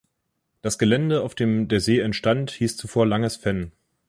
Das Gelände, auf dem der See entstand, hieß zuvor „Langes Fenn“.